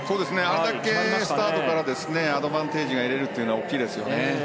あれだけスタートからアドバンテージが得られるのは大きいですよね。